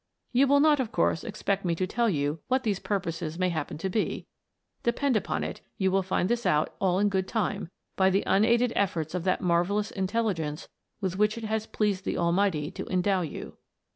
You will not, of course, expect me to tell you what these purposes may happen to be depend upon it, you will find this out all in good time, by the unaided efforts of that marvellous intelligence with which it has pleased the Almighty to endow you.